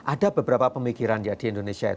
ada beberapa pemikiran di indonesia